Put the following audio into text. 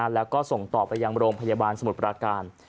แล้วก็ส่งต่อไปยังโรงพยาบาลสมุทรปราการ